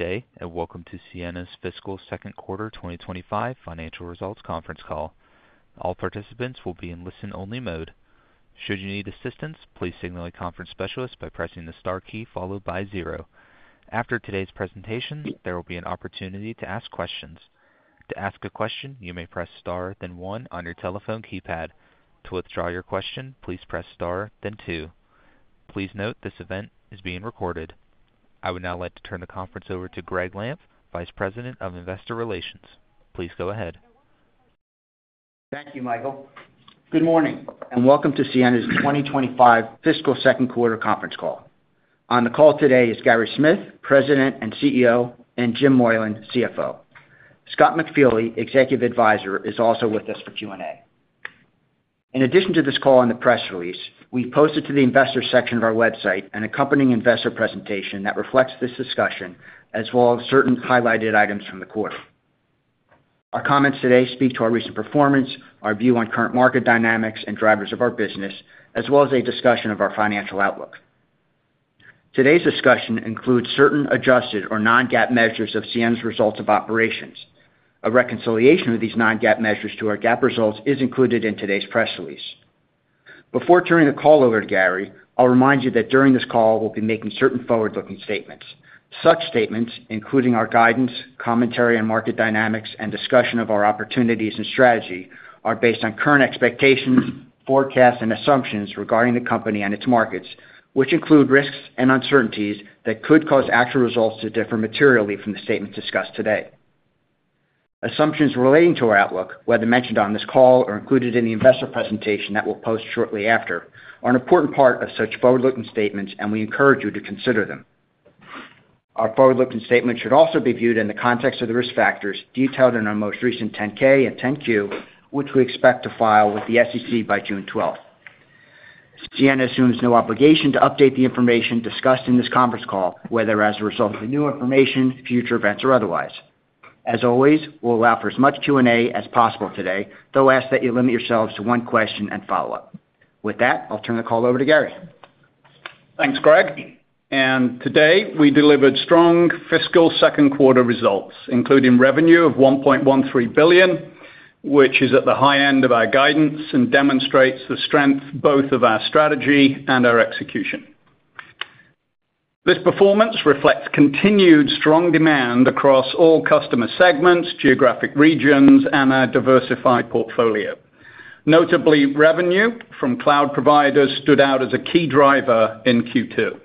Good day, and welcome to Ciena's Fiscal Second Quarter 2025 Financial Results Conference Call. All participants will be in listen-only mode. Should you need assistance, please signal a conference specialist by pressing the * key followed by zero. After today's presentation, there will be an opportunity to ask questions. To ask a question, you may press *, then one on your telephone keypad. To withdraw your question, please press star, then two. Please note this event is being recorded. I would now like to turn the conference over to Gregg Lampf, Vice President of Investor Relations. Please go ahead. Thank you, Michael. Good morning, and welcome to Ciena's 2025 Fiscal Second Quarter Conference Call. On the call today is Gary Smith, President and CEO, and Jim Moylan, CFO. Scott McFeely, Executive Advisor, is also with us for Q&A. In addition to this call and the press release, we posted to the investor section of our website an accompanying investor presentation that reflects this discussion, as well as certain highlighted items from the quarter. Our comments today speak to our recent performance, our view on current market dynamics and drivers of our business, as well as a discussion of our financial outlook. Today's discussion includes certain adjusted or non-GAAP measures of Ciena's results of operations. A reconciliation of these non-GAAP measures to our GAAP results is included in today's press release. Before turning the call over to Gary, I'll remind you that during this call, we'll be making certain forward-looking statements. Such statements, including our guidance, commentary, and market dynamics, and discussion of our opportunities and strategy, are based on current expectations, forecasts, and assumptions regarding the company and its markets, which include risks and uncertainties that could cause actual results to differ materially from the statements discussed today. Assumptions relating to our outlook, whether mentioned on this call or included in the investor presentation that we'll post shortly after, are an important part of such forward-looking statements, and we encourage you to consider them. Our forward-looking statements should also be viewed in the context of the risk factors detailed in our most recent 10-K and 10-Q, which we expect to file with the SEC by June 12th. Ciena assumes no obligation to update the information discussed in this conference call, whether as a result of new information, future events, or otherwise. As always, we'll allow for as much Q&A as possible today, though ask that you limit yourselves to one question and follow-up. With that, I'll turn the call over to Gary. Thanks, Gregg. Today, we delivered strong fiscal second quarter results, including revenue of $1.13 billion, which is at the high end of our guidance and demonstrates the strength of both our strategy and our execution. This performance reflects continued strong demand across all customer segments, geographic regions, and our diversified portfolio. Notably, revenue from cloud providers stood out as a key driver in Q2.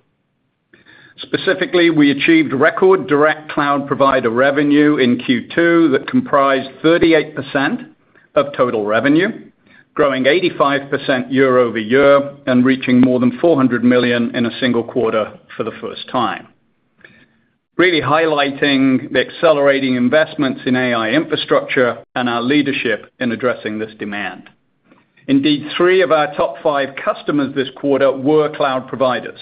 Specifically, we achieved record direct cloud provider revenue in Q2 that comprised 38% of total revenue, growing 85% year over year and reaching more than $400 million in a single quarter for the first time, really highlighting the accelerating investments in AI infrastructure and our leadership in addressing this demand. Indeed, three of our top five customers this quarter were cloud providers,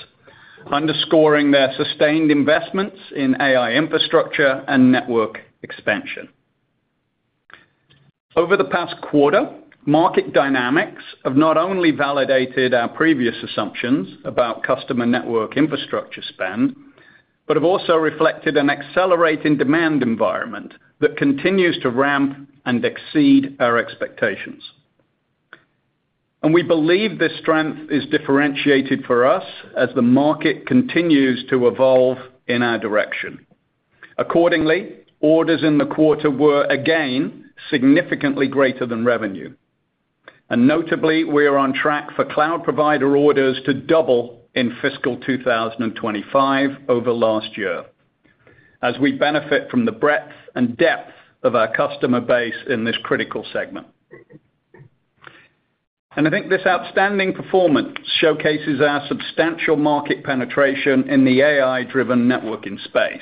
underscoring their sustained investments in AI infrastructure and network expansion. Over the past quarter, market dynamics have not only validated our previous assumptions about customer network infrastructure spend but have also reflected an accelerating demand environment that continues to ramp and exceed our expectations. We believe this strength is differentiated for us as the market continues to evolve in our direction. Accordingly, orders in the quarter were, again, significantly greater than revenue. Notably, we are on track for cloud provider orders to double in fiscal 2025 over last year, as we benefit from the breadth and depth of our customer base in this critical segment. I think this outstanding performance showcases our substantial market penetration in the AI-driven networking space,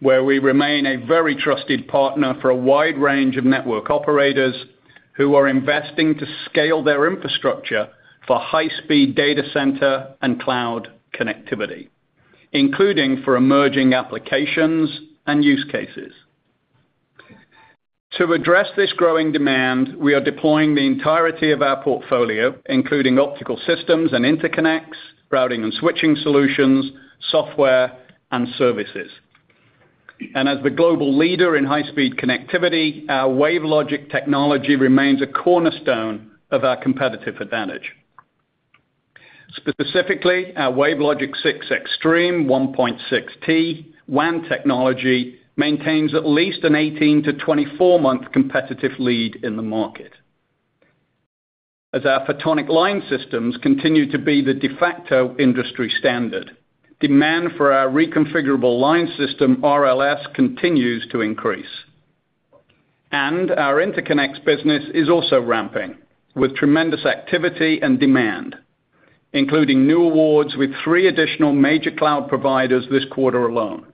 where we remain a very trusted partner for a wide range of network operators who are investing to scale their infrastructure for high-speed data center and cloud connectivity, including for emerging applications and use cases. To address this growing demand, we are deploying the entirety of our portfolio, including optical systems and interconnects, routing and switching solutions, software, and services. As the global leader in high-speed connectivity, our WaveLogic technology remains a cornerstone of our competitive advantage. Specifically, our WaveLogic 6 Extreme 1.6T WAN technology maintains at least an 18months-24 month competitive lead in the market. As our photonic line systems continue to be the de facto industry standard, demand for our reconfigurable line system RLS continues to increase. Our interconnects business is also ramping, with tremendous activity and demand, including new awards with three additional major cloud providers this quarter alone.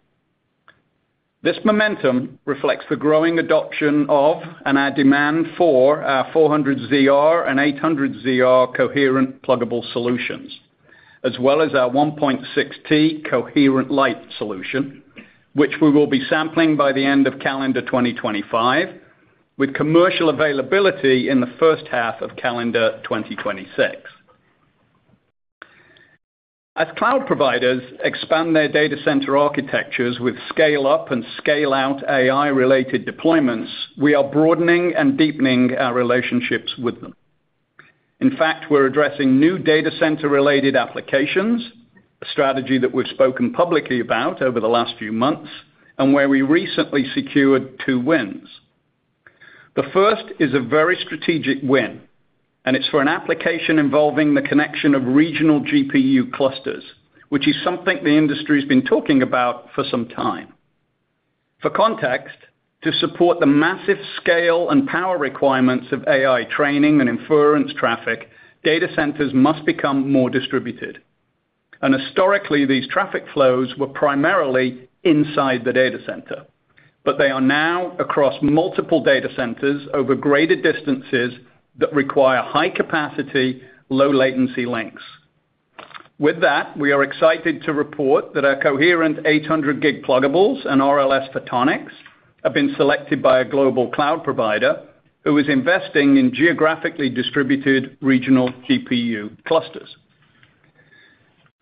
This momentum reflects the growing adoption of and our demand for our 400 ZR and 800 ZR coherent pluggable solutions, as well as our 1.6T coherent light solution, which we will be sampling by the end of calendar 2025, with commercial availability in the first half of calendar 2026. As cloud providers expand their data center architectures with scale-up and scale-out AI-related deployments, we are broadening and deepening our relationships with them. In fact, we're addressing new data center-related applications, a strategy that we've spoken publicly about over the last few months and where we recently secured two wins. The first is a very strategic win, and it's for an application involving the connection of regional GPU clusters, which is something the industry has been talking about for some time. For context, to support the massive scale and power requirements of AI training and inference traffic, data centers must become more distributed. Historically, these traffic flows were primarily inside the data center, but they are now across multiple data centers over greater distances that require high-capacity, low-latency links. With that, we are excited to report that our coherent 800 gig pluggables and RLS photonics have been selected by a global cloud provider who is investing in geographically distributed regional GPU clusters.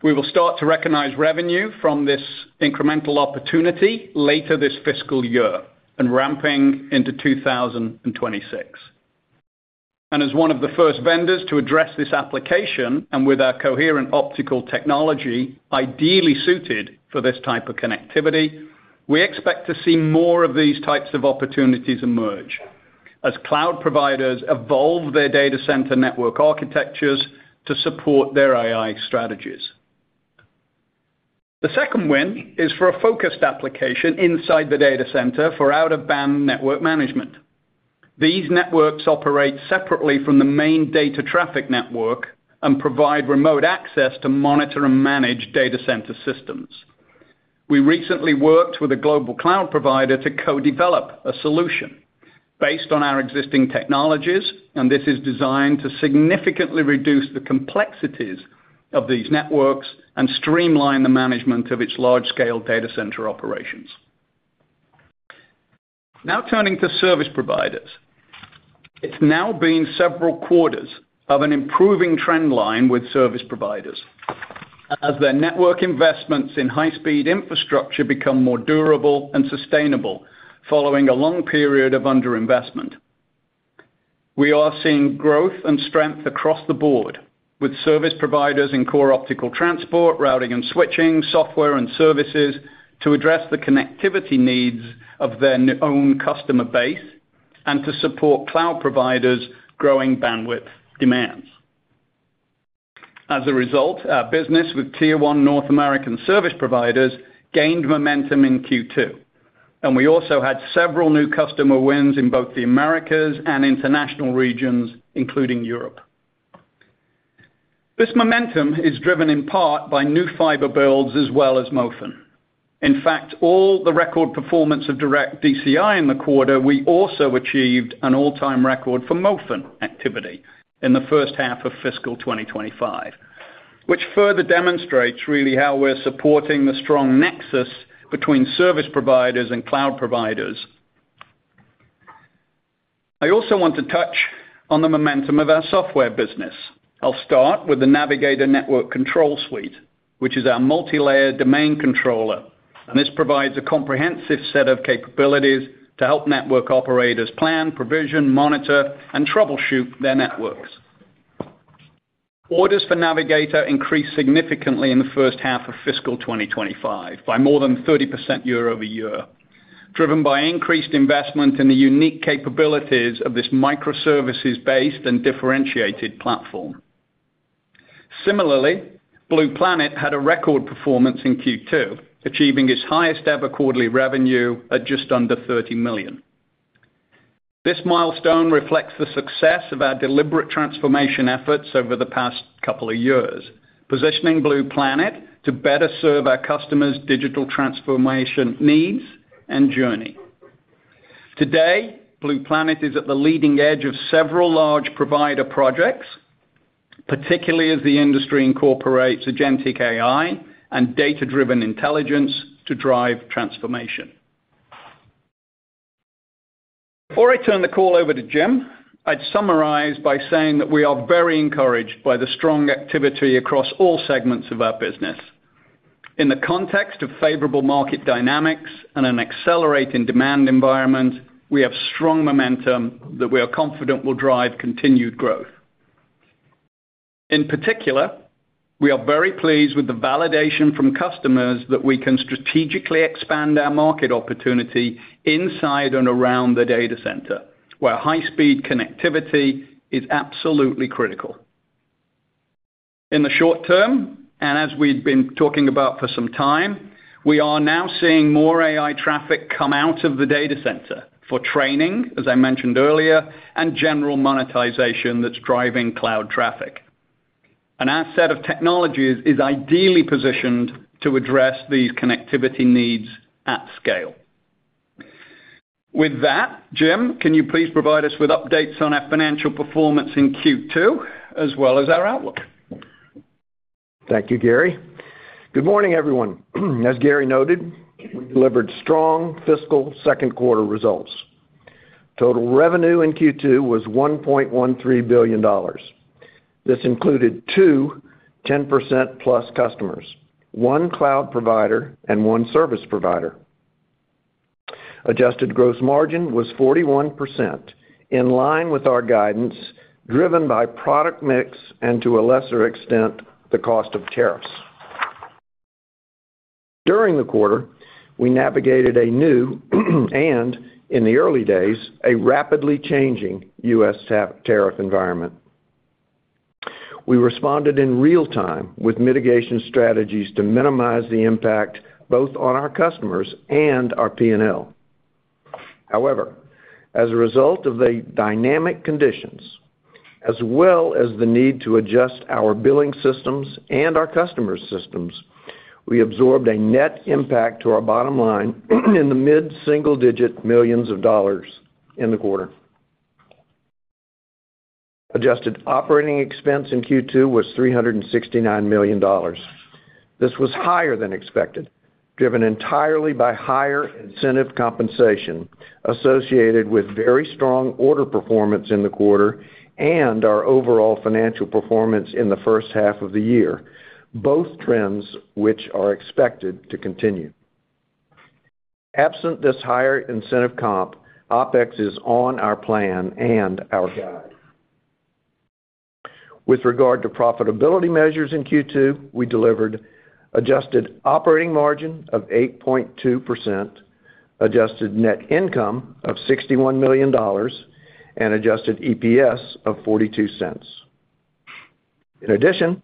We will t to recognize revenue from this incremental opportunity later this fiscal year and ramping into 2026. As one of the first vendors to address this application and with our coherent optical technology ideally suited for this type of connectivity, we expect to see more of these types of opportunities emerge as cloud providers evolve their data center network architectures to support their AI strategies. The second win is for a focused application inside the data center for out-of-band network management. These networks operate separately from the main data traffic network and provide remote access to monitor and manage data center systems. We recently worked with a global cloud provider to co-develop a solution based on our existing technologies, and this is designed to significantly reduce the complexities of these networks and streamline the management of its large-scale data center operations. Now turning to service providers, it's now been several quarters of an improving trend line with service providers as their network investments in high-speed infrastructure become more durable and sustainable following a long period of underinvestment. We are seeing growth and strength across the board with service providers in core optical transport, routing and switching, software and services to address the connectivity needs of their own customer base and to support cloud providers' growing bandwidth demands. As a result, our business with tier one North American service providers gained momentum in Q2, and we also had several new customer wins in both the Americas and international regions, including Europe. This momentum is driven in part by new fiber builds as well as MOFN. In fact, on the record performance of direct DCI in the quarter, we also achieved an all-time record for MOFN activity in the first half of fiscal 2025, which further demonstrates really how we're supporting the strong nexus between service providers and cloud providers. I also want to touch on the momentum of our software business. I'll start with the Navigator Network Control Suite, which is our multi-layer domain controller, and this provides a comprehensive set of capabilities to help network operators plan, provision, monitor, and troubleshoot their networks. Orders for Navigator increased significantly in the first half of fiscal 2025 by more than 30% year over year, driven by increased investment in the unique capabilities of this microservices-based and differentiated platform. Similarly, Blue Planet had a record performance in Q2, achieving its highest ever quarterly revenue at just under $30 million. This milestone reflects the success of our deliberate transformation efforts over the past couple of years, positioning Blue Planet to better serve our customers' digital transformation needs and journey. Today, Blue Planet is at the leading edge of several large provider projects, particularly as the industry incorporates agentic AI and data-driven intelligence to drive transformation. Before I turn the call over to Jim, I'd summarize by saying that we are very encouraged by the strong activity across all segments of our business. In the context of favorable market dynamics and an accelerating demand environment, we have strong momentum that we are confident will drive continued growth. In particular, we are very pleased with the validation from customers that we can strategically expand our market opportunity inside and around the data center, where high-speed connectivity is absolutely critical. In the short term, and as we've been talking about for some time, we are now seeing more AI traffic come out of the data center for training, as I mentioned earlier, and general monetization that's driving cloud traffic. And our set of technologies is ideally positioned to address these connectivity needs at scale. With that, Jim, can you please provide us with updates on our financial performance in Q2, as well as our outlook? Thank you, Gary. Good morning, everyone. As Gary noted, we delivered strong fiscal second quarter results. Total revenue in Q2 was $1.13 billion. This included two 10%+ customers, one cloud provider, and one service provider. Adjusted gross margin was 41%, in line with our guidance driven by product mix and, to a lesser extent, the cost of tariffs. During the quarter, we navigated a new and, in the early days, a rapidly changing U.S. tariff environment. We responded in real time with mitigation strategies to minimize the impact both on our customers and our P&L. However, as a result of the dynamic conditions, as well as the need to adjust our billing systems and our customer systems, we absorbed a net impact to our bottom line in the mid-single-digit millions of dollars in the quarter. Adjusted operating expense in Q2 was $369 million. This was higher than expected, driven entirely by higher incentive compensation associated with very strong order performance in the quarter and our overall financial performance in the first half of the year, both trends which are expected to continue. Absent this higher incentive comp, OpEx is on our plan and our guide. With regard to profitability measures in Q2, we delivered adjusted operating margin of 8.2%, adjusted net income of $61 million, and adjusted EPS of $0.42. In addition,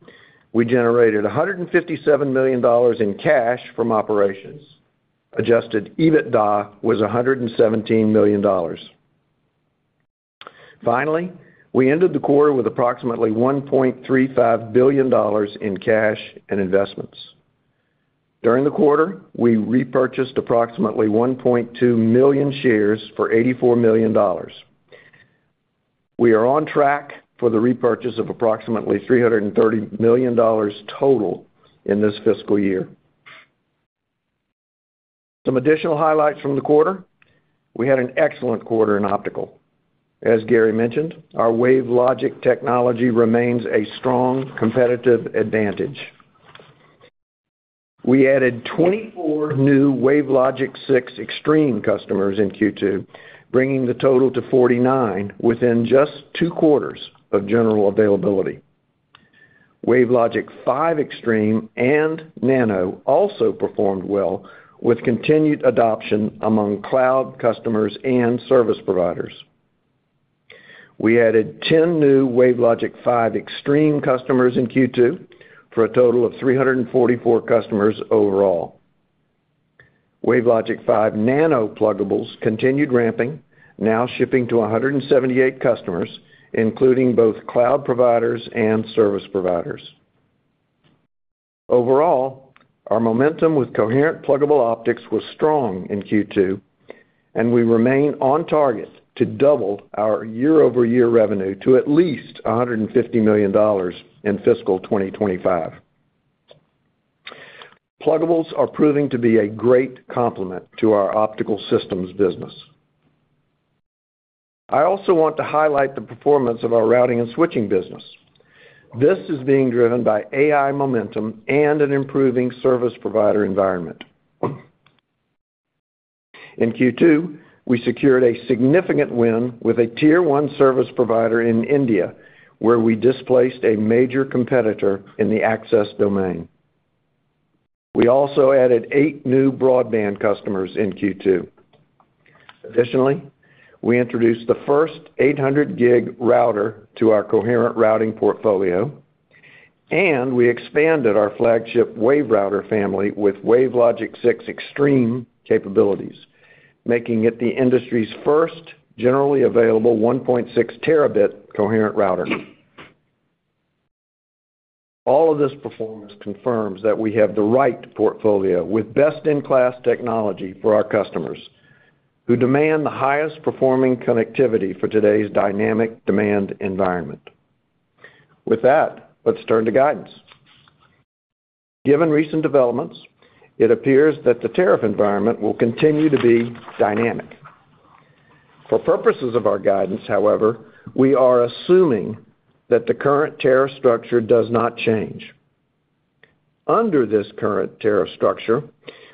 we generated $157 million in cash from operations. Adjusted EBITDA was $117 million. Finally, we ended the quarter with approximately $1.35 billion in cash and investments. During the quarter, we repurchased approximately 1.2 million shares for $84 million. We are on track for the repurchase of approximately $330 million total in this fiscal year. Some additional highlights from the quarter: we had an excellent quarter in optical. As Gary mentioned, our WaveLogic technology remains a strong competitive advantage. We added 24 new WaveLogic 6 Extreme customers in Q2, bringing the total to 49 within just two quarters of general availability. WaveLogic 5 Extreme and Nano also performed well with continued adoption among cloud customers and service providers. We added 10 new WaveLogic 5 Extreme customers in Q2 for a total of 344 customers overall. WaveLogic 5 Nano pluggables continued ramping, now shipping to 178 customers, including both cloud providers and service providers. Overall, our momentum with coherent pluggable optics was strong in Q2, and we remain on target to double our year-over-year revenue to at least $150 million in fiscal 2025. Pluggables are proving to be a great complement to our optical systems business. I also want to highlight the performance of our routing and switching business. This is being driven by AI momentum and an improving service provider environment. In Q2, we secured a significant win with a tier one service provider in India, where we displaced a major competitor in the access domain. We also added eight new broadband customers in Q2. Additionally, we introduced the first 800 Gig Router to our coherent routing portfolio, and we expanded our flagship Wave Router family with WaveLogic 6 Extreme capabilities, making it the industry's first generally available 1.6 terabit coherent router. All of this performance confirms that we have the right portfolio with best-in-class technology for our customers who demand the highest performing connectivity for today's dynamic demand environment. With that, let's turn to guidance. Given recent developments, it appears that the tariff environment will continue to be dynamic. For purposes of our guidance, however, we are assuming that the current tariff structure does not change. Under this current tariff structure,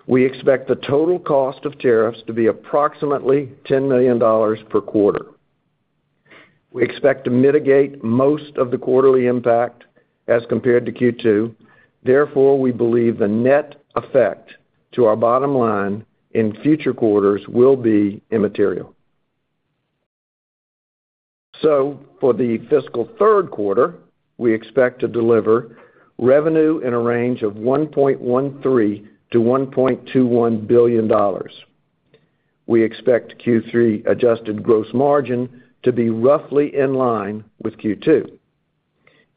we expect the total cost of tariffs to be approximately $10 million per quarter. We expect to mitigate most of the quarterly impact as compared to Q2. Therefore, we believe the net effect to our bottom line in future quarters will be immaterial. For the fiscal third quarter, we expect to deliver revenue in a range of $1.13 billion-$1.21 billion. We expect Q3 adjusted gross margin to be roughly in line with Q2,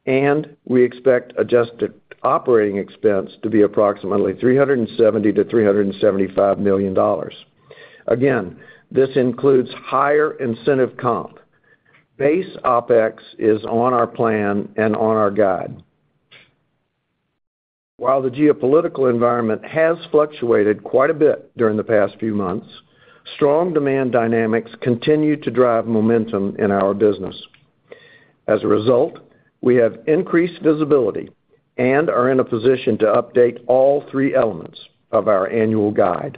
and we expect adjusted operating expense to be approximately $370-$375 million. Again, this includes higher incentive comp. Base OpEx is on our plan and on our guide. While the geopolitical environment has fluctuated quite a bit during the past few months, strong demand dynamics continue to drive momentum in our business. As a result, we have increased visibility and are in a position to update all three elements of our annual guide.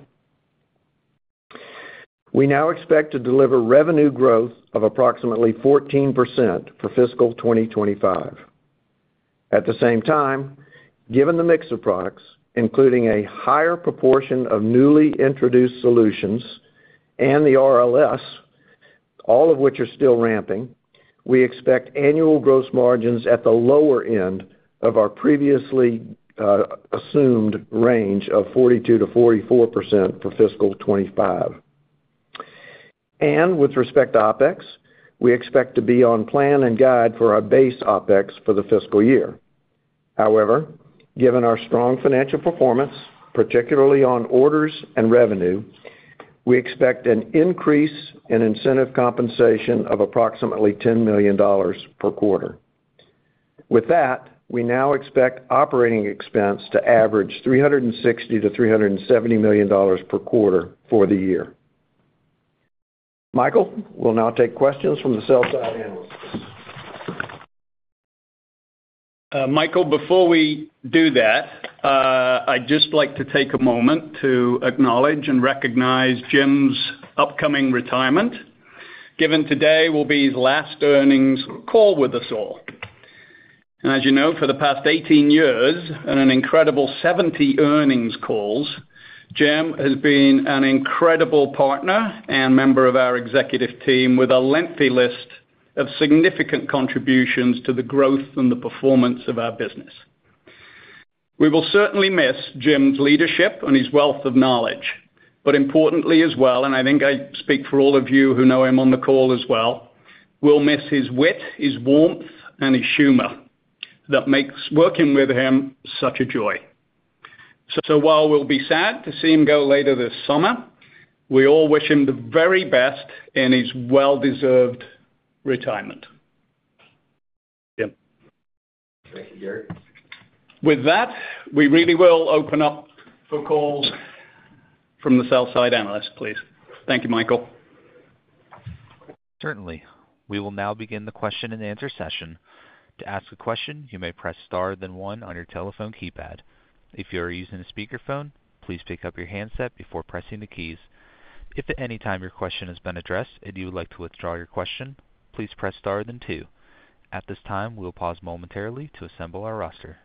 We now expect to deliver revenue growth of approximately 14% for fiscal 2025. At the same time, given the mix of products, including a higher proportion of newly introduced solutions and the RLS, all of which are still ramping, we expect annual gross margins at the lower end of our previously assumed range of 42%-44% for Fiscal 2025. With respect to OpEx, we expect to be on plan and guide for our base OpEx for the fiscal year. However, given our strong financial performance, particularly on orders and revenue, we expect an increase in incentive compensation of approximately $10 million per quarter. With that, we now expect operating expense to average $360 million-$370 million per quarter for the year. Michael, we'll now take questions from the sell-side analysts. Michael, before we do that, I'd just like to take a moment to acknowledge and recognize Jim's upcoming retirement, given today will be his last earnings call with us all. As you know, for the past 18 years and an incredible 70 earnings calls, Jim has been an incredible partner and member of our executive team with a lengthy list of significant contributions to the growth and the performance of our business. We will certainly miss Jim's leadership and his wealth of knowledge, but importantly as well, and I think I speak for all of you who know him on the call as well, we'll miss his wit, his warmth, and his humor that makes working with him such a joy. While we'll be sad to see him go later this summer, we all wish him the very best in his well-deserved retirement. Jim. Thank you, Gary. With that, we really will open up for calls from the sell-side analysts, please. Thank you, Michael. Certainly. We will now begin the question-and-answer session. To ask a question, you may press * then one on your telephone keypad. If you are using a speakerphone, please pick up your handset before pressing the keys. If at any time your question has been addressed and you would like to withdraw your question, please press * then two. At this time, we'll pause momentarily to assemble our roster.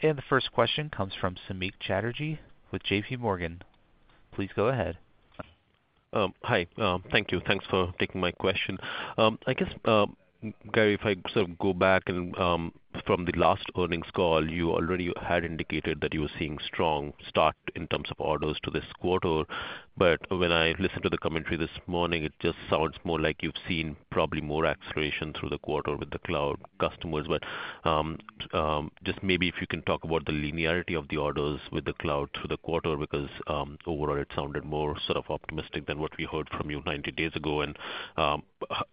The first question comes from Samik Chatterjee with J.P. Morgan. Please go ahead. Hi. Thank you. Thanks for taking my question. I guess, Gary, if I sort of go back from the last earnings call, you already had indicated that you were seeing strong start in terms of orders to this quarter. When I listened to the commentary this morning, it just sounds more like you've seen probably more acceleration through the quarter with the cloud customers. Just maybe if you can talk about the linearity of the orders with the cloud through the quarter, because overall it sounded more sort of optimistic than what we heard from you 90 days ago.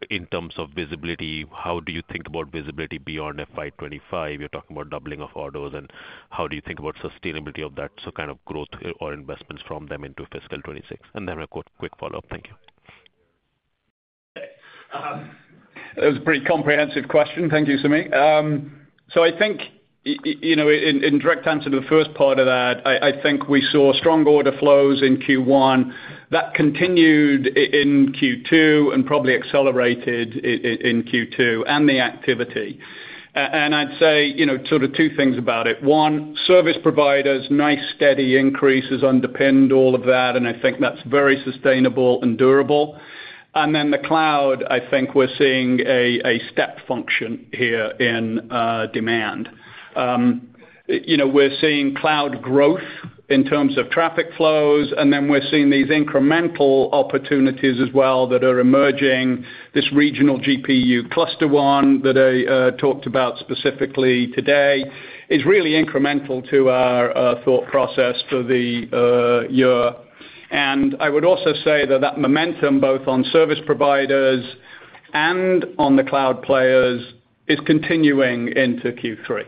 In terms of visibility, how do you think about visibility beyond FY25? You're talking about doubling of orders, and how do you think about sustainability of that sort of kind of growth or investments from them into fiscal 2026? A quick follow-up. Thank you. That was a pretty comprehensive question. Thank you, Samik. I think in direct answer to the first part of that, I think we saw strong order flows in Q1 that continued in Q2 and probably accelerated in Q2 and the activity. I'd say sort of two things about it. One, service providers, nice steady increases underpinned all of that, and I think that's very sustainable and durable. The cloud, I think we're seeing a step function here in demand. We're seeing cloud growth in terms of traffic flows, and then we're seeing these incremental opportunities as well that are emerging. This regional GPU cluster one that I talked about specifically today is really incremental to our thought process for the year. I would also say that that momentum, both on service providers and on the cloud players, is continuing into Q3.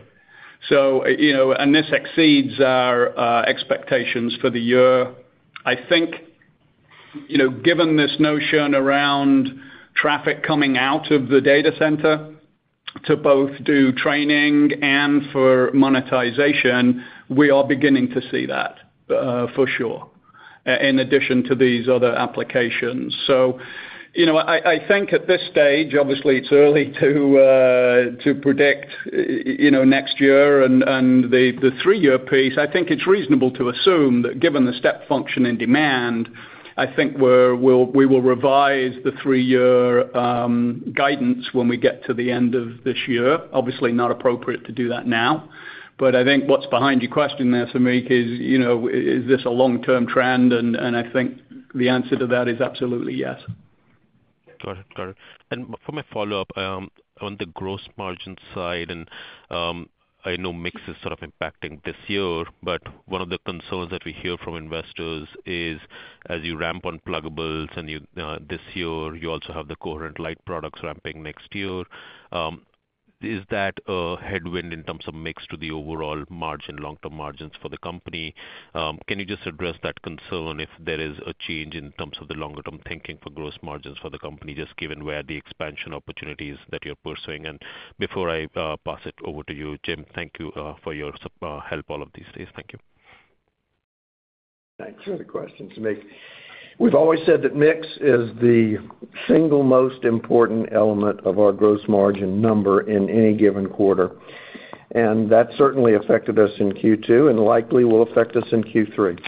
This exceeds our expectations for the year. I think given this notion around traffic coming out of the data center to both do training and for monetization, we are beginning to see that for sure, in addition to these other applications. I think at this stage, obviously, it's early to predict next year and the three-year piece. I think it's reasonable to assume that given the step function in demand, we will revise the three-year guidance when we get to the end of this year. Obviously, not appropriate to do that now. I think what's behind your question there, Samik, is this a long-term trend? I think the answer to that is absolutely yes. Got it. Got it. For my follow-up on the gross margin side, I know mix is sort of impacting this year, but one of the concerns that we hear from investors is, as you ramp on pluggables, and this year you also have the coherent light products ramping next year. Is that a headwind in terms of mix to the overall margin, long-term margins for the company? Can you just address that concern if there is a change in terms of the longer-term thinking for gross margins for the company, just given where the expansion opportunities that you're pursuing? Before I pass it over to you, Jim, thank you for your help all of these days. Thank you. Thanks for the question, Samik. We've always said that mix is the single most important element of our gross margin number in any given quarter. That certainly affected us in Q2 and likely will affect us in Q3.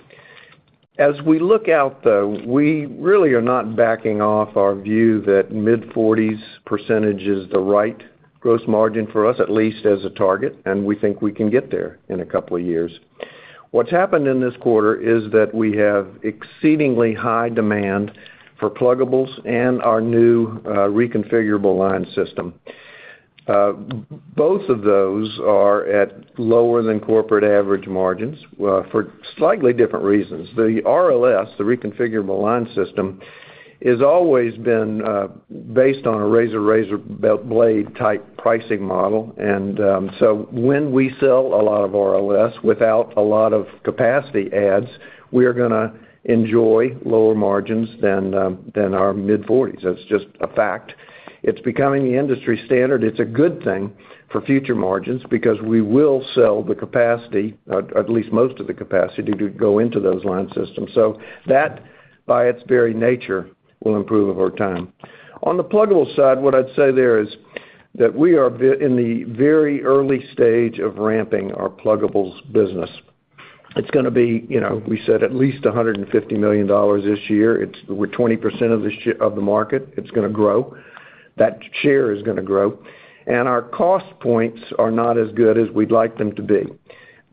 As we look out, though, we really are not backing off our view that mid-40s % is the right gross margin for us, at least as a target, and we think we can get there in a couple of years. What's happened in this quarter is that we have exceedingly high demand for pluggables and our new reconfigurable line system. Both of those are at lower than corporate average margins for slightly different reasons. The RLS, the reconfigurable line system, has always been based on a razor razor blade type pricing model. When we sell a lot of RLS without a lot of capacity adds, we are going to enjoy lower margins than our mid-40s. That's just a fact. It is becoming the industry standard. It is a good thing for future margins because we will sell the capacity, at least most of the capacity, to go into those line systems. That, by its very nature, will improve over time. On the pluggable side, what I'd say there is that we are in the very early stage of ramping our pluggables business. It is going to be, we said, at least $150 million this year. We are 20% of the market. It is going to grow. That share is going to grow. Our cost points are not as good as we'd like them to be.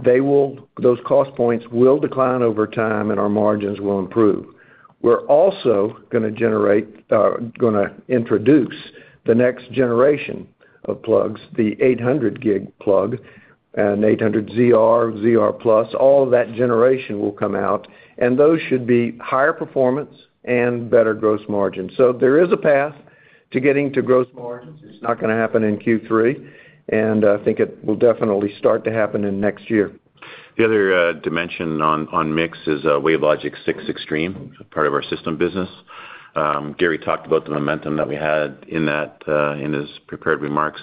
Those cost points will decline over time, and our margins will improve. We're also going to introduce the next generation of plugs, the 800 gig plug, and 800 ZR, ZR+. All of that generation will come out, and those should be higher performance and better gross margins. There is a path to getting to gross margins. It's not going to happen in Q3, and I think it will definitely start to happen in next year. The other dimension on mix is WaveLogic 6 Extreme, part of our system business. Gary talked about the momentum that we had in his prepared remarks.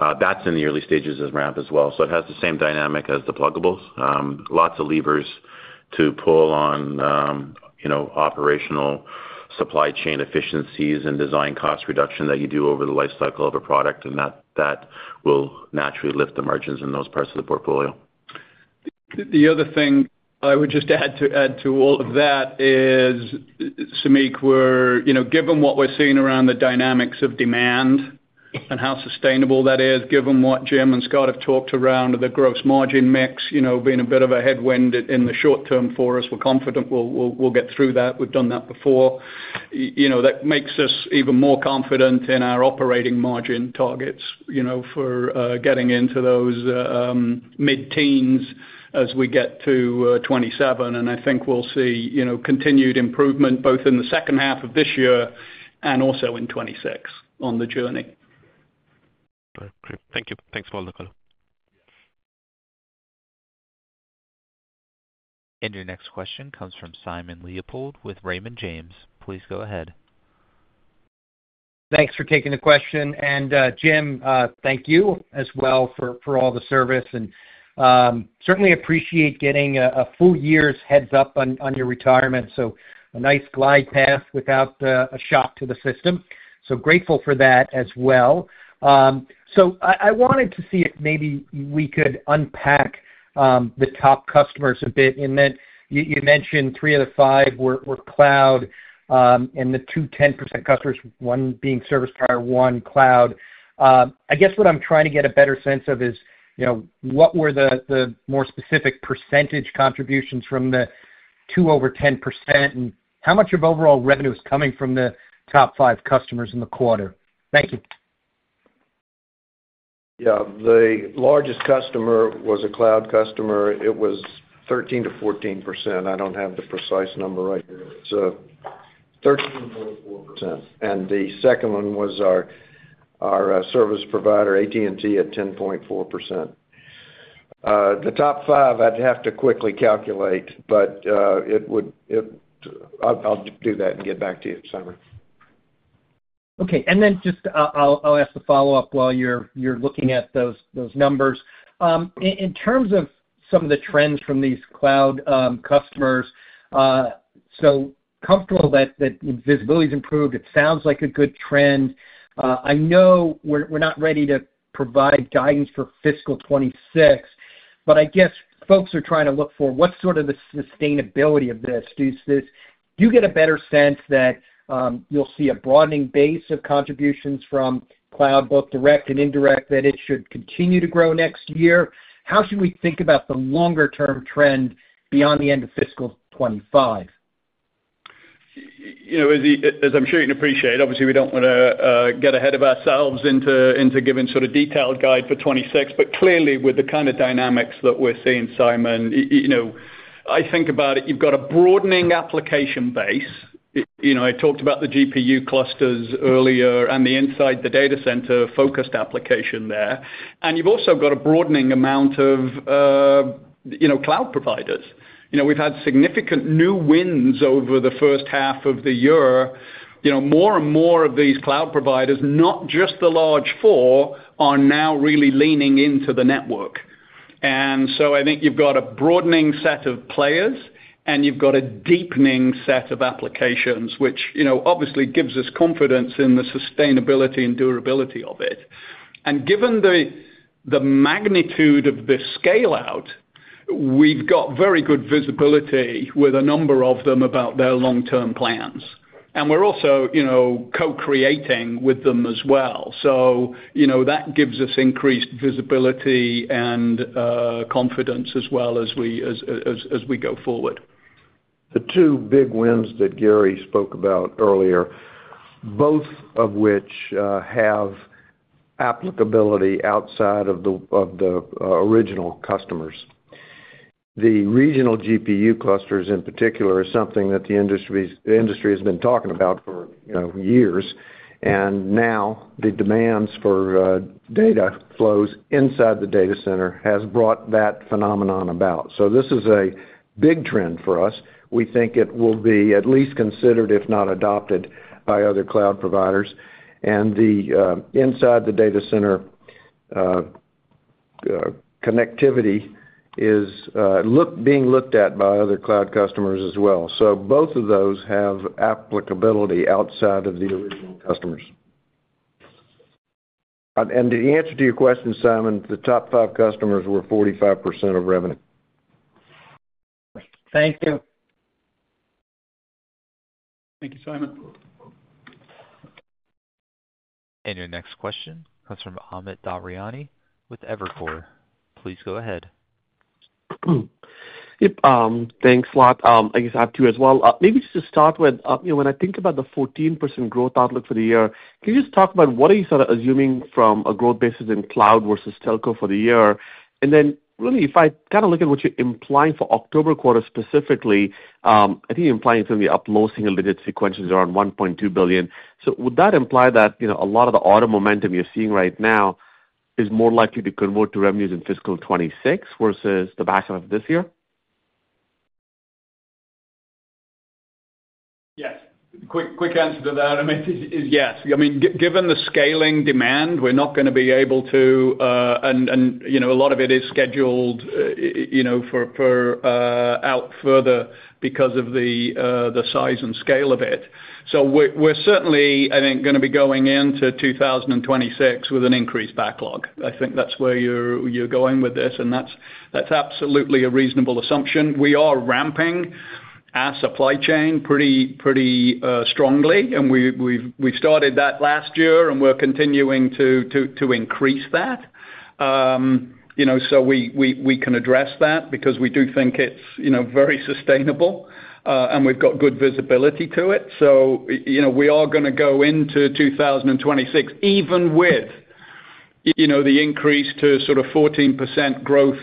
That is in the early stages of ramp as well. It has the same dynamic as the pluggables. Lots of levers to pull on operational supply chain efficiencies and design cost reduction that you do over the lifecycle of a product, and that will naturally lift the margins in those parts of the portfolio. The other thing I would just add to all of that is, Samik, given what we're seeing around the dynamics of demand and how sustainable that is, given what Jim and Scott have talked around, the gross margin mix being a bit of a headwind in the short term for us, we're confident we'll get through that. We've done that before. That makes us even more confident in our operating margin targets for getting into those mid-teens as we get to 2027. I think we'll see continued improvement both in the second half of this year and also in 2026 on the journey. Thank you. Thanks for all the color. Your next question comes from Simon Leopold with Raymond James. Please go ahead. Thanks for taking the question. And Jim, thank you as well for all the service. I certainly appreciate getting a full year's heads-up on your retirement. A nice glide path without a shock to the system. Grateful for that as well. I wanted to see if maybe we could unpack the top customers a bit. You mentioned three of the five were cloud and the two 10% customers, one being service provider, one cloud. I guess what I'm trying to get a better sense of is what were the more specific percentage contributions from the two over 10% and how much of overall revenue is coming from the top five customers in the quarter? Thank you. Yeah. The largest customer was a cloud customer. It was 13%-14%. I do not have the precise number right here. So 13.4%. And the second one was our service provider, AT&T, at 10.4%. The top five, I would have to quickly calculate, but I will do that and get back to you, Simon. Okay. And then just I'll ask a follow-up while you're looking at those numbers. In terms of some of the trends from these cloud customers, so comfortable that visibility has improved. It sounds like a good trend. I know we're not ready to provide guidance for fiscal 2026, but I guess folks are trying to look for what's sort of the sustainability of this. Do you get a better sense that you'll see a broadening base of contributions from cloud, both direct and indirect, that it should continue to grow next year? How should we think about the longer-term trend beyond the end of fiscal 2025? As I'm sure you can appreciate, obviously, we don't want to get ahead of ourselves into giving sort of detailed guide for 2026. But clearly, with the kind of dynamics that we're seeing, Simon, I think about it, you've got a broadening application base. I talked about the GPU clusters earlier and the inside the data center focused application there. You have also got a broadening amount of cloud providers. We have had significant new wins over the first half of the year. More and more of these cloud providers, not just the large four, are now really leaning into the network. I think you have got a broadening set of players, and you have got a deepening set of applications, which obviously gives us confidence in the sustainability and durability of it. Given the magnitude of the scale-out, we have very good visibility with a number of them about their long-term plans. We are also co-creating with them as well. That gives us increased visibility and confidence as well as we go forward. The two big wins that Gary spoke about earlier, both of which have applicability outside of the original customers. The regional GPU clusters in particular is something that the industry has been talking about for years. Now the demands for data flows inside the data center have brought that phenomenon about. This is a big trend for us. We think it will be at least considered, if not adopted, by other cloud providers. The inside the data center connectivity is being looked at by other cloud customers as well. Both of those have applicability outside of the original customers. To answer to your question, Simon, the top five customers were 45% of revenue. Thank you. Thank you, Simon. Your next question comes from Amit Daryanani with Evercore. Please go ahead. Thanks a lot. I guess I have two as well. Maybe just to start with, when I think about the 14% growth outlook for the year, can you just talk about what are you sort of assuming from a growth basis in cloud versus telco for the year? And then really, if I kind of look at what you're implying for October quarter specifically, I think you're implying it's going to be up close in a limited sequence around $1.2 billion. So would that imply that a lot of the auto momentum you're seeing right now is more likely to convert to revenues in fiscal 2026 versus the back of this year? Yes. Quick answer to that is yes. I mean, given the scaling demand, we're not going to be able to, and a lot of it is scheduled out further because of the size and scale of it. We are certainly, I think, going to be going into 2026 with an increased backlog. I think that's where you're going with this, and that's absolutely a reasonable assumption. We are ramping our supply chain pretty strongly, and we started that last year, and we're continuing to increase that so we can address that because we do think it's very sustainable, and we've got good visibility to it. We are going to go into 2026, even with the increase to sort of 14% growth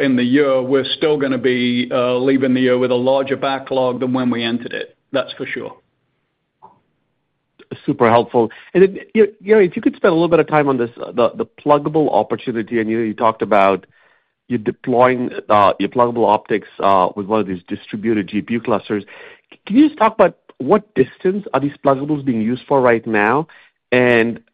in the year, we're still going to be leaving the year with a larger backlog than when we entered it. That's for sure. Super helpful. Gary, if you could spend a little bit of time on this, the pluggable opportunity, and you talked about your pluggable optics with one of these distributed GPU clusters. Can you just talk about what distance are these pluggables being used for right now?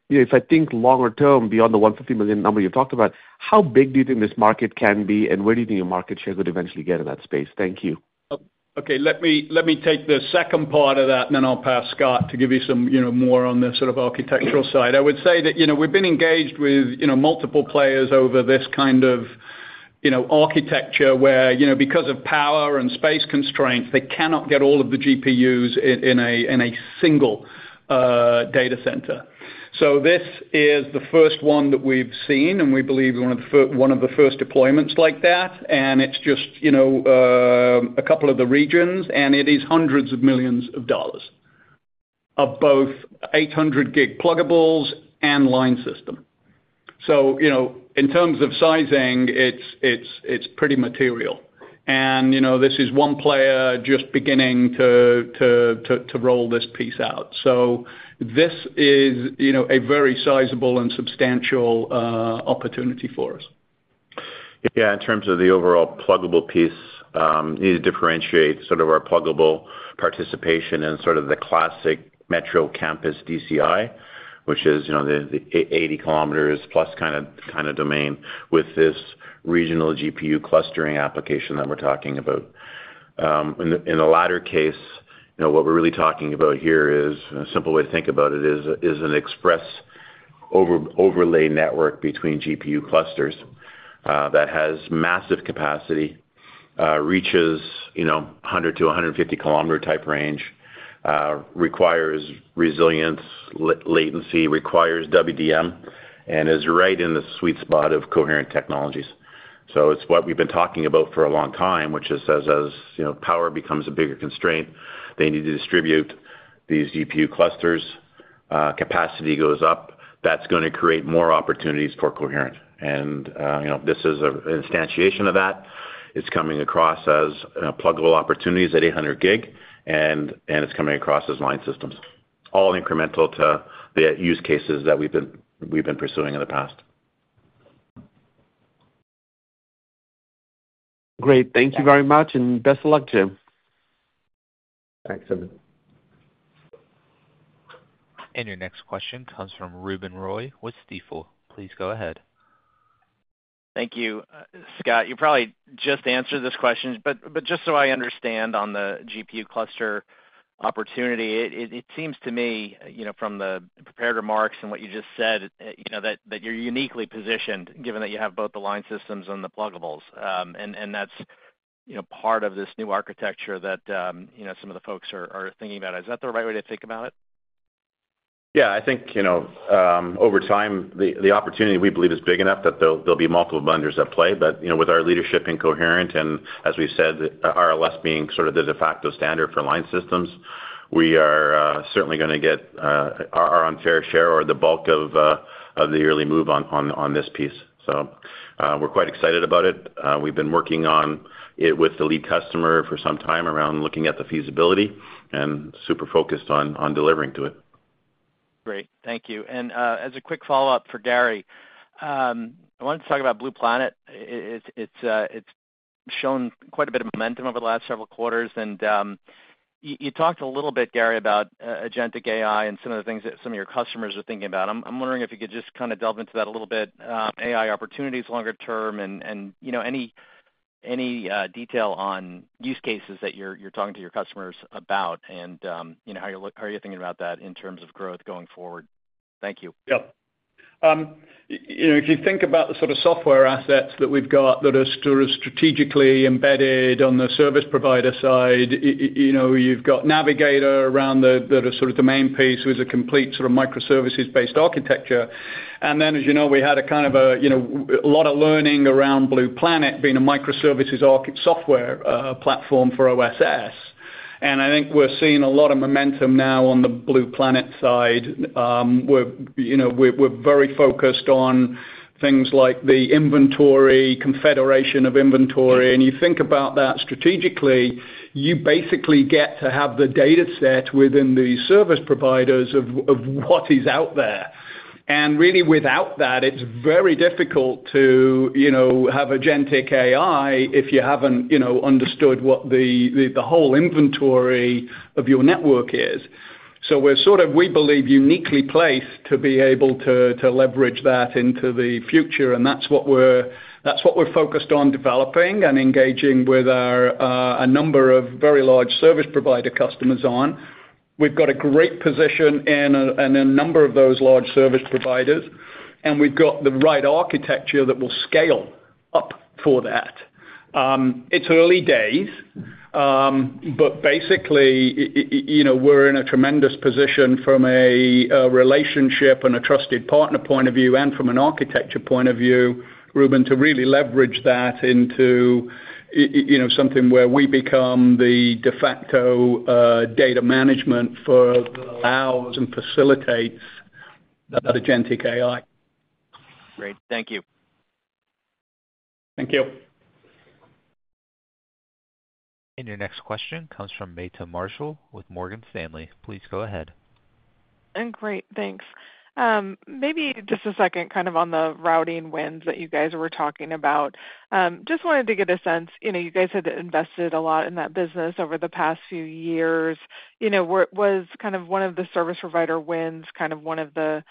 If I think longer term, beyond the $150 million number you talked about, how big do you think this market can be, and where do you think your market share could eventually get in that space? Thank you. Okay. Let me take the second part of that, and then I'll pass Scott to give you some more on the sort of architectural side. I would say that we've been engaged with multiple players over this kind of architecture where, because of power and space constraints, they cannot get all of the GPUs in a single data center. This is the first one that we've seen, and we believe one of the first deployments like that. It is just a couple of the regions, and it is hundreds of millions of dollars of both 800 gig pluggables and line system. In terms of sizing, it's pretty material. This is one player just beginning to roll this piece out. This is a very sizable and substantial opportunity for us. Yeah. In terms of the overall pluggable piece, you need to differentiate sort of our pluggable participation and sort of the classic metro campus DCI, which is the 80 kilometers plus kind of domain with this regional GPU clustering application that we're talking about. In the latter case, what we're really talking about here is a simple way to think about it is an express overlay network between GPU clusters that has massive capacity, reaches 100-150 kilometer type range, requires resilience, latency, requires WDM, and is right in the sweet spot of coherent technologies. It is what we've been talking about for a long time, which is as power becomes a bigger constraint, they need to distribute these GPU clusters, capacity goes up, that's going to create more opportunities for coherent. This is an instantiation of that.It's coming across as pluggable opportunities at 800 gig, and it's coming across as line systems. All incremental to the use cases that we've been pursuing in the past. Great. Thank you very much, and best of luck, Jim. Thanks, Amit. Your next question comes from Ruben Roy with Stifel. Please go ahead. Thank you, Scott. You probably just answered this question, but just so I understand on the GPU cluster opportunity, it seems to me from the prepared remarks and what you just said that you're uniquely positioned given that you have both the line systems and the pluggables. That is part of this new architecture that some of the folks are thinking about. Is that the right way to think about it? Yeah. I think over time, the opportunity we believe is big enough that there'll be multiple vendors at play. With our leadership in coherent and, as we've said, RLS being sort of the de facto standard for line systems, we are certainly going to get our unfair share or the bulk of the early move on this piece. We are quite excited about it. We've been working on it with the lead customer for some time around looking at the feasibility and super focused on delivering to it. Great. Thank you. As a quick follow-up for Gary, I wanted to talk about Blue Planet. It has shown quite a bit of momentum over the last several quarters. You talked a little bit, Gary, about agentic AI and some of the things that some of your customers are thinking about. I am wondering if you could just kind of delve into that a little bit, AI opportunities longer term and any detail on use cases that you are talking to your customers about and how you are thinking about that in terms of growth going forward. Thank you. Yeah. If you think about the sort of software assets that we've got that are sort of strategically embedded on the service provider side, you've got Navigator around that are sort of the main piece with a complete sort of microservices-based architecture. Then, as you know, we had a kind of a lot of learning around Blue Planet being a microservices software platform for OSS. I think we're seeing a lot of momentum now on the Blue Planet side. We're very focused on things like the inventory, confederation of inventory. You think about that strategically, you basically get to have the dataset within the service providers of what is out there. Really, without that, it's very difficult to have agentic AI if you haven't understood what the whole inventory of your network is. We're sort of, we believe, uniquely placed to be able to leverage that into the future. That's what we're focused on developing and engaging with a number of very large service provider customers on. We've got a great position in a number of those large service providers, and we've got the right architecture that will scale up for that. It's early days, but basically, we're in a tremendous position from a relationship and a trusted partner point of view and from an architecture point of view, Ruben, to really leverage that into something where we become the de facto data management for ours and facilitate the agentic AI. Great. Thank you. Thank you. Your next question comes from Meta Marshall with Morgan Stanley. Please go ahead. Great. Thanks. Maybe just a second kind of on the routing wins that you guys were talking about. Just wanted to get a sense. You guys had invested a lot in that business over the past few years. Was kind of one of the service provider wins kind of one of the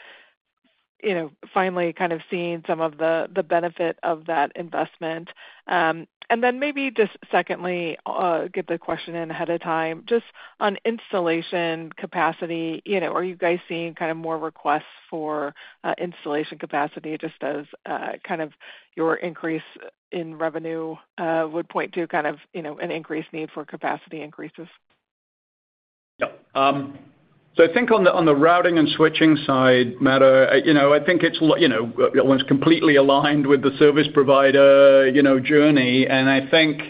finally kind of seeing some of the benefit of that investment? Just secondly, get the question in ahead of time. Just on installation capacity, are you guys seeing kind of more requests for installation capacity just as kind of your increase in revenue would point to kind of an increased need for capacity increases? Yeah. I think on the routing and switching side, Meta, I think it's almost completely aligned with the service provider journey. I think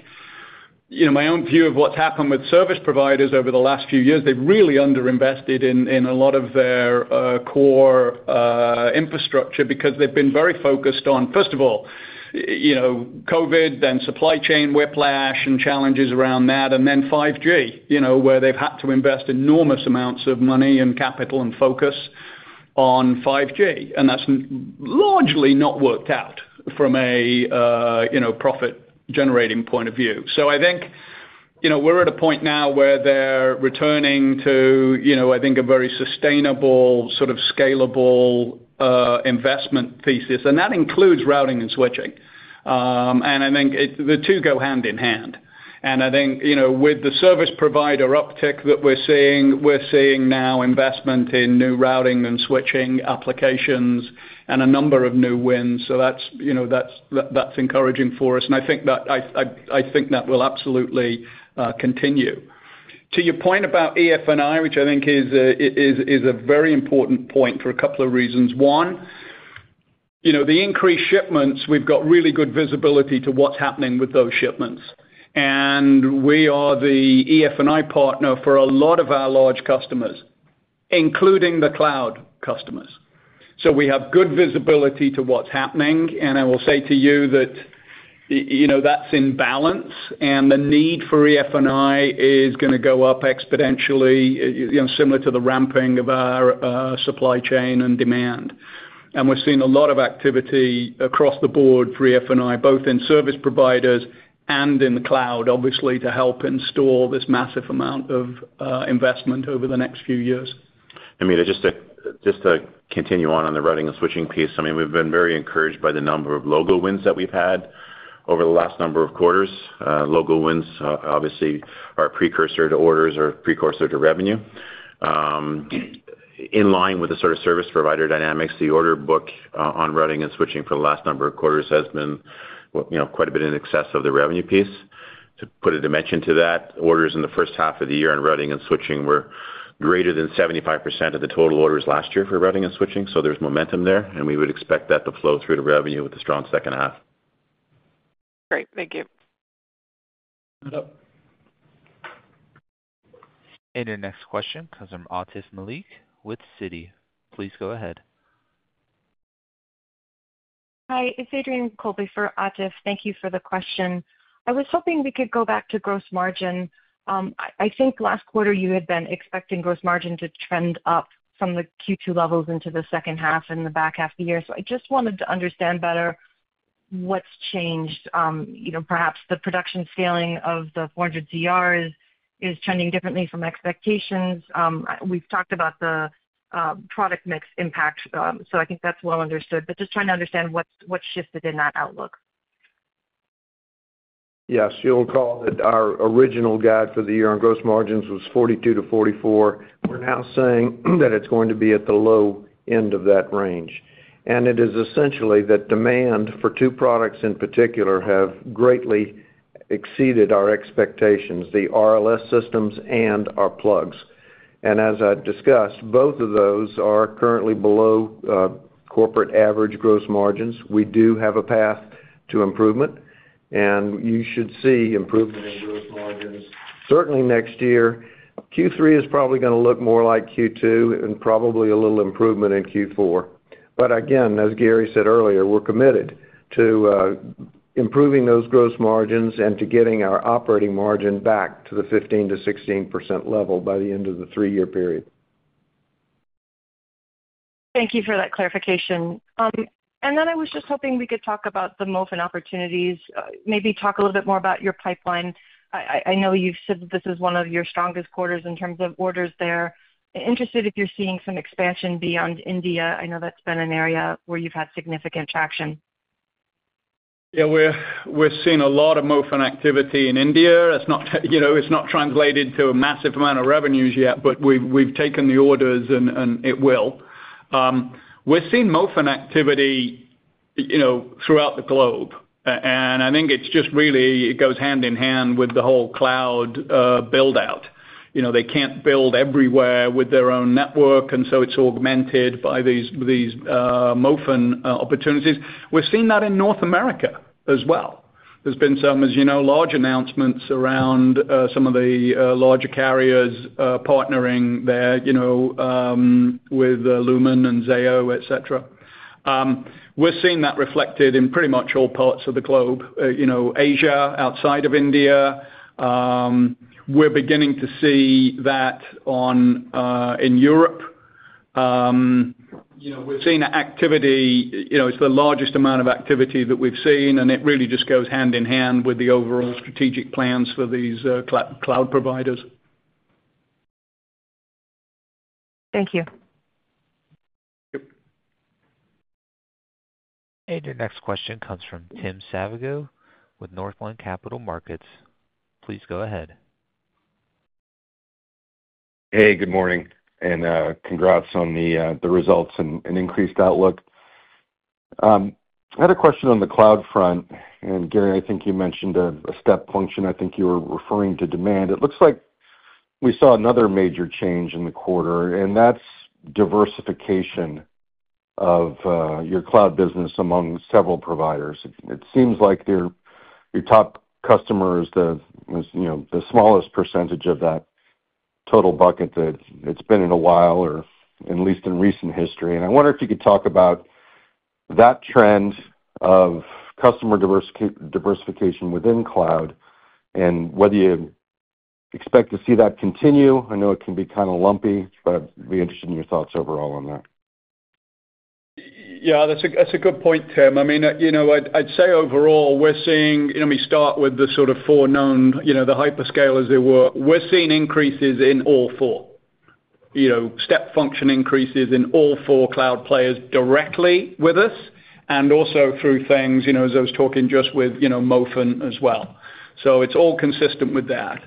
my own view of what's happened with service providers over the last few years, they've really underinvested in a lot of their core infrastructure because they've been very focused on, first of all, COVID, then supply chain whiplash and challenges around that, and then 5G, where they've had to invest enormous amounts of money and capital and focus on 5G. That's largely not worked out from a profit-generating point of view. I think we're at a point now where they're returning to, I think, a very sustainable sort of scalable investment thesis. That includes routing and switching. I think the two go hand in hand. I think with the service provider uptick that we're seeing, we're seeing now investment in new routing and switching applications and a number of new wins. That is encouraging for us. I think that will absolutely continue. To your point about EF&I, which I think is a very important point for a couple of reasons. One, the increased shipments, we've got really good visibility to what's happening with those shipments. We are the EF&I partner for a lot of our large customers, including the cloud customers. We have good visibility to what's happening. I will say to you that that's in balance. The need for EF&I is going to go up exponentially, similar to the ramping of our supply chain and demand. We are seeing a lot of activity across the board for EF&I, both in service providers and in the cloud, obviously, to help install this massive amount of investment over the next few years. I mean, just to continue on on the routing and switching piece, I mean, we've been very encouraged by the number of logo wins that we've had over the last number of quarters. Logo wins, obviously, are a precursor to orders or a precursor to revenue. In line with the sort of service provider dynamics, the order book on routing and switching for the last number of quarters has been quite a bit in excess of the revenue piece. To put a dimension to that, orders in the first half of the year on routing and switching were greater than 75% of the total orders last year for routing and switching. There is momentum there, and we would expect that to flow through to revenue with a strong second half. Great. Thank you. Your next question comes from Atif Malik with Citi. Please go ahead. Hi. It's Adrienne Colby for Atif. Thank you for the question. I was hoping we could go back to gross margin. I think last quarter, you had been expecting gross margin to trend up from the Q2 levels into the second half and the back half of the year. I just wanted to understand better what's changed. Perhaps the production scaling of the 400 ZRs is trending differently from expectations. We've talked about the product mix impact, so I think that's well understood. Just trying to understand what's shifted in that outlook. Yes. You'll recall that our original guide for the year on gross margins was 42%-44%. We're now saying that it's going to be at the low end of that range. It is essentially that demand for two products in particular have greatly exceeded our expectations, the RLS systems and our plugs. As I discussed, both of those are currently below corporate average gross margins. We do have a path to improvement, and you should see improvement in gross margins certainly next year. Q3 is probably going to look more like Q2 and probably a little improvement in Q4. As Gary said earlier, we're committed to improving those gross margins and to getting our operating margin back to the 15-16% level by the end of the three-year period. Thank you for that clarification. I was just hoping we could talk about the MOFN opportunities, maybe talk a little bit more about your pipeline. I know you've said that this is one of your strongest quarters in terms of orders there. Interested if you're seeing some expansion beyond India. I know that's been an area where you've had significant traction. Yeah. We're seeing a lot of MOFN activity in India. It's not translated to a massive amount of revenues yet, but we've taken the orders and it will. We're seeing MOFN activity throughout the globe. I think it's just really it goes hand in hand with the whole cloud build-out. They can't build everywhere with their own network, and so it's augmented by these MOFN opportunities. We're seeing that in North America as well. There's been some, as you know, large announcements around some of the larger carriers partnering there with Lumen and Zayo, etc. We're seeing that reflected in pretty much all parts of the globe, Asia outside of India. We're beginning to see that in Europe. We're seeing activity. It's the largest amount of activity that we've seen, and it really just goes hand in hand with the overall strategic plans for these cloud providers. Thank you. Yep. Your next question comes from Tim Savageaux with Northland Capital Markets. Please go ahead. Hey, good morning, and congrats on the results and increased outlook. I had a question on the cloud front. Gary, I think you mentioned a step function. I think you were referring to demand. It looks like we saw another major change in the quarter, and that's diversification of your cloud business among several providers. It seems like your top customers, the smallest percentage of that total bucket, that it's been in a while or at least in recent history. I wonder if you could talk about that trend of customer diversification within cloud and whether you expect to see that continue. I know it can be kind of lumpy, but I'd be interested in your thoughts overall on that. Yeah. That's a good point, Tim. I mean, I'd say overall, we're seeing we start with the sort of four known, the hyperscalers they were. We're seeing increases in all four, step function increases in all four cloud players directly with us and also through things, as I was talking just with MOFN as well. It is all consistent with that.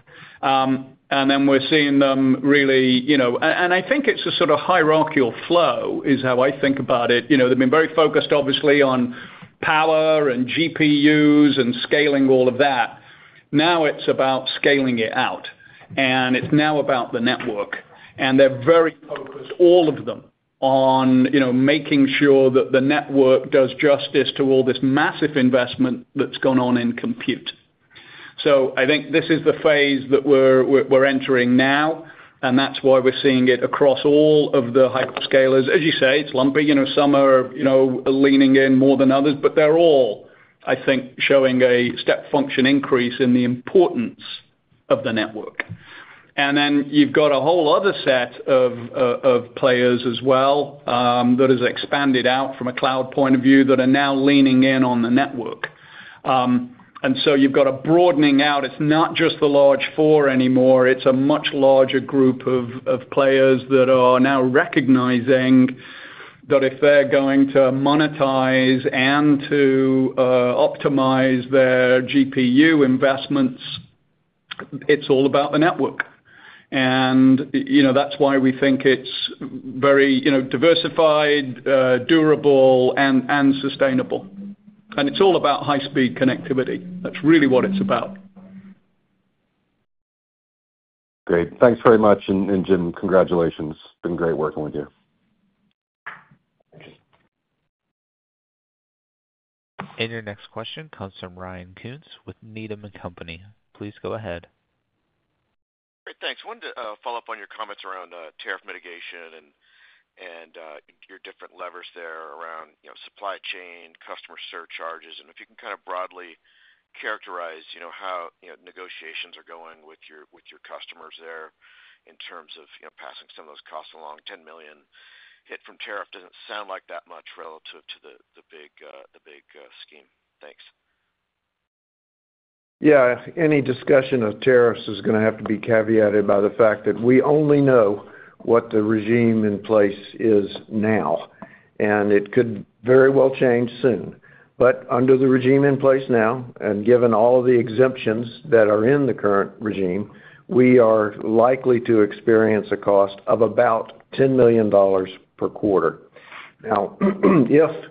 Then we're seeing them really, and I think it's a sort of hierarchical flow is how I think about it. They've been very focused, obviously, on power and GPUs and scaling all of that. Now it's about scaling it out. It is now about the network. They are very focused, all of them, on making sure that the network does justice to all this massive investment that's gone on in compute. I think this is the phase that we're entering now, and that's why we're seeing it across all of the hyperscalers. As you say, it's lumpy. Some are leaning in more than others, but they're all, I think, showing a step function increase in the importance of the network. Then you've got a whole other set of players as well that has expanded out from a cloud point of view that are now leaning in on the network. You've got a broadening out. It's not just the large four anymore. It's a much larger group of players that are now recognizing that if they're going to monetize and to optimize their GPU investments, it's all about the network. That's why we think it's very diversified, durable, and sustainable. It's all about high-speed connectivity. That's really what it's about. Great. Thanks very much. Jim, congratulations. It's been great working with you. Your next question comes from Ryan Koontz with Needham & Company. Please go ahead. Great. Thanks. I wanted to follow up on your comments around tariff mitigation and your different levers there around supply chain, customer surcharges. If you can kind of broadly characterize how negotiations are going with your customers there in terms of passing some of those costs along. $10 million hit from tariff does not sound like that much relative to the big scheme. Thanks. Yeah. Any discussion of tariffs is going to have to be caveated by the fact that we only know what the regime in place is now, and it could very well change soon. Under the regime in place now, and given all of the exemptions that are in the current regime, we are likely to experience a cost of about $10 million per quarter. Now, if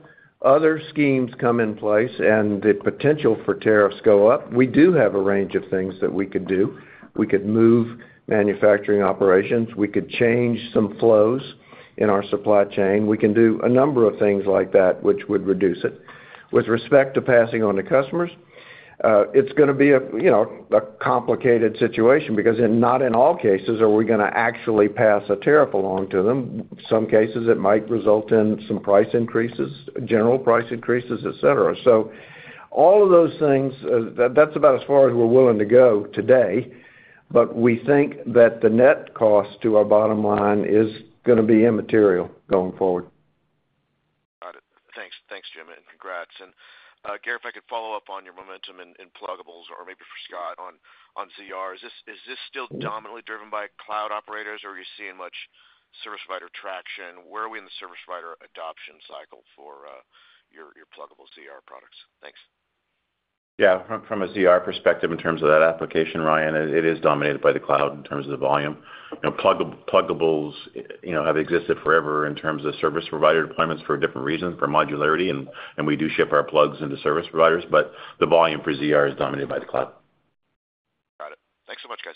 other schemes come in place and the potential for tariffs go up, we do have a range of things that we could do. We could move manufacturing operations. We could change some flows in our supply chain. We can do a number of things like that, which would reduce it. With respect to passing on to customers, it's going to be a complicated situation because not in all cases are we going to actually pass a tariff along to them. In some cases, it might result in some price increases, general price increases, etc. All of those things, that's about as far as we're willing to go today. We think that the net cost to our bottom line is going to be immaterial going forward. Got it. Thanks, Jim. And congrats. Gary, if I could follow up on your momentum in pluggables or maybe for Scott on ZR, is this still dominantly driven by cloud operators, or are you seeing much service provider traction? Where are we in the service provider adoption cycle for your pluggable ZR products? Thanks. Yeah. From a ZR perspective in terms of that application, Ryan, it is dominated by the cloud in terms of the volume. Pluggables have existed forever in terms of service provider deployments for different reasons for modularity. And we do ship our plugs into service providers, but the volume for ZR is dominated by the cloud. Got it. Thanks so much, guys.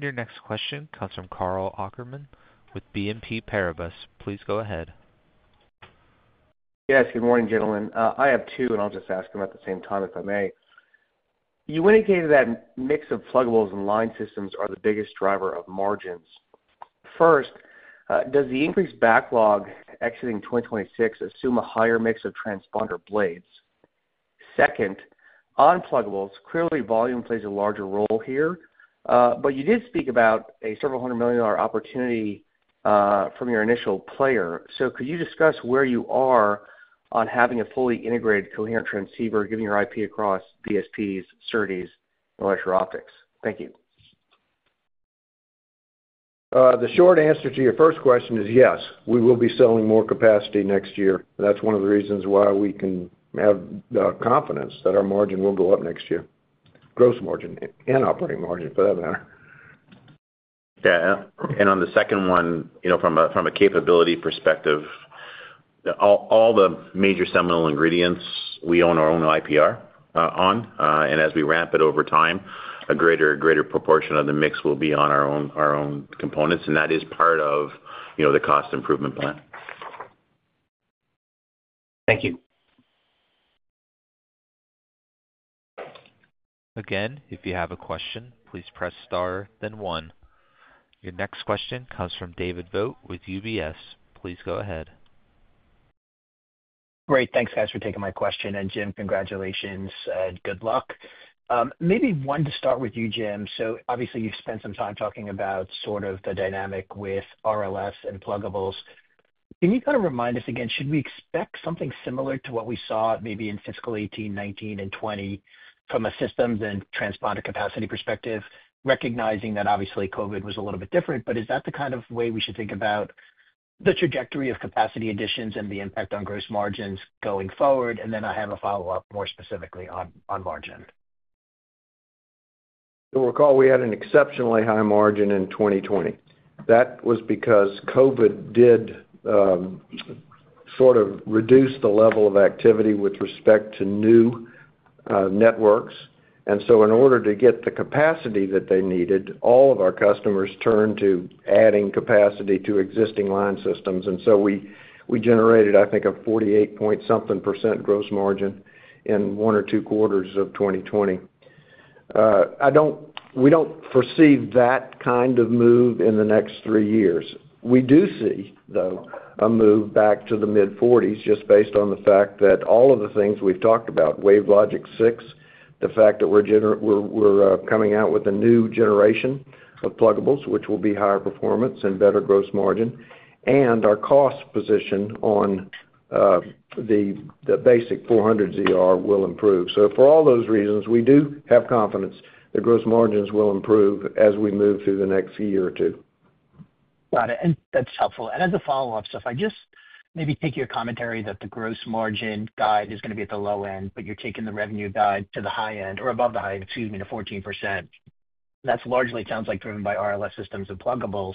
Your next question comes from Karl Ackerman with BNP Paribas. Please go ahead. Yes. Good morning, gentlemen. I have two, and I'll just ask them at the same time if I may. You indicated that mix of pluggables and line systems are the biggest driver of margins. First, does the increased backlog exiting 2026 assume a higher mix of transponder blades? Second, on pluggables, clearly volume plays a larger role here. But you did speak about a several hundred million dollar opportunity from your initial player. Could you discuss where you are on having a fully integrated coherent transceiver given your IP across BSPs, CERDIs, and electronic optics? Thank you. The short answer to your first question is yes. We will be selling more capacity next year. That's one of the reasons why we can have confidence that our margin will go up next year, gross margin and operating margin for that matter. Yeah. On the second one, from a capability perspective, all the major seminal ingredients we own our own IPR on. As we ramp it over time, a greater and greater proportion of the mix will be on our own components. That is part of the cost improvement plan. Thank you. Again, if you have a question, please press star, then one. Your next question comes from David Vogt with UBS. Please go ahead. Great. Thanks, guys, for taking my question. And Jim, congratulations and good luck. Maybe one to start with you, Jim. So obviously, you've spent some time talking about sort of the dynamic with RLS and plugables. Can you kind of remind us again, should we expect something similar to what we saw maybe in fiscal 2018, 2019, and 2020 from a systems and transponder capacity perspective, recognizing that obviously COVID was a little bit different? Is that the kind of way we should think about the trajectory of capacity additions and the impact on gross margins going forward? I have a follow-up more specifically on margin. You'll recall we had an exceptionally high margin in 2020. That was because COVID did sort of reduce the level of activity with respect to new networks. In order to get the capacity that they needed, all of our customers turned to adding capacity to existing line systems. We generated, I think, a 48-point-something % gross margin in one or two quarters of 2020. We do not foresee that kind of move in the next three years. We do see, though, a move back to the mid-40s just based on the fact that all of the things we have talked about, WaveLogic 6, the fact that we are coming out with a new generation of pluggables, which will be higher performance and better gross margin, and our cost position on the basic 400 ZR will improve. For all those reasons, we do have confidence that gross margins will improve as we move through the next year or two. Got it. That is helpful. As a follow-up, if I just maybe take your commentary that the gross margin guide is going to be at the low end, but you are taking the revenue guide to the high end or above the high end, excuse me, to 14%. That largely sounds like driven by RLS systems and pluggables.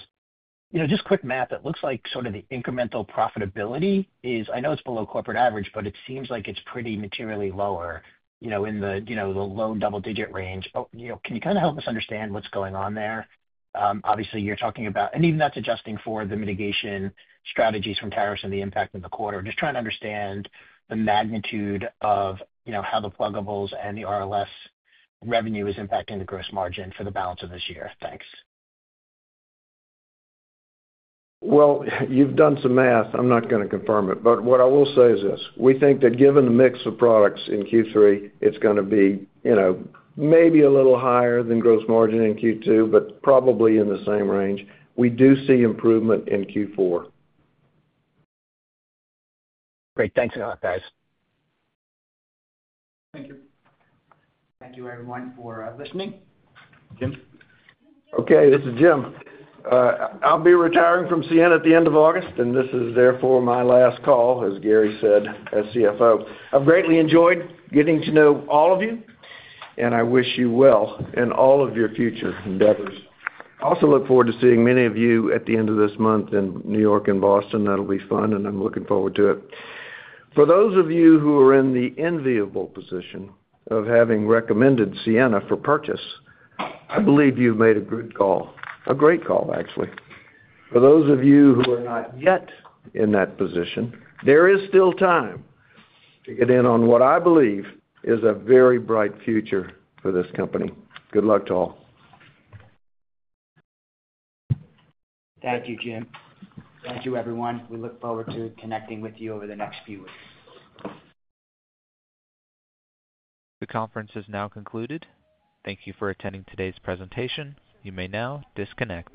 Just quick math, it looks like sort of the incremental profitability is, I know it is below corporate average, but it seems like it is pretty materially lower in the low double-digit range. Can you kind of help us understand what is going on there? Obviously, you are talking about, and even that is adjusting for the mitigation strategies from tariffs and the impact in the quarter. Just trying to understand the magnitude of how the pluggables and the RLS revenue is impacting the gross margin for the balance of this year. Thanks. You've done some math. I'm not going to confirm it. What I will say is this. We think that given the mix of products in Q3, it's going to be maybe a little higher than gross margin in Q2, but probably in the same range. We do see improvement in Q4. Great. Thanks a lot, guys. Thank you. Thank you, everyone, for listening. Okay. This is Jim. I'll be retiring from Ciena at the end of August, and this is therefore my last call, as Gary said, as CFO. I've greatly enjoyed getting to know all of you, and I wish you well in all of your future endeavors. I also look forward to seeing many of you at the end of this month in New York and Boston. That'll be fun, and I'm looking forward to it. For those of you who are in the enviable position of having recommended Ciena for purchase, I believe you've made a good call, a great call, actually. For those of you who are not yet in that position, there is still time to get in on what I believe is a very bright future for this company. Good luck to all. Thank you, Jim. Thank you, everyone. We look forward to connecting with you over the next few weeks. The conference has now concluded. Thank you for attending today's presentation. You may now disconnect.